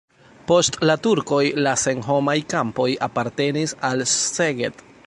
Post la turkoj la senhomaj kampoj apartenis al Szeged.